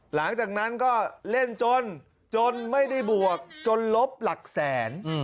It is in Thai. หลังจากนั้นก็เล่นจนจนไม่ได้บวกจนลบหลักแสน